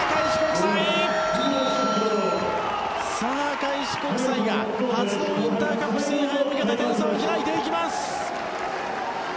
さあ、開志国際が初のウインターカップ制覇向けて点差を開いていきます。